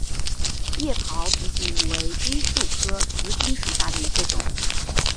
叶苞紫堇为罂粟科紫堇属下的一个种。